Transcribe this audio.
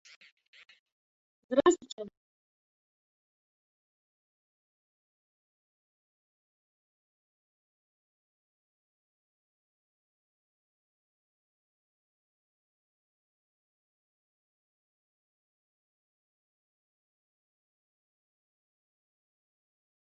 — Xudo bilibmi-bilmaymi, sen o‘rislarni yurtimizga haydab keldi...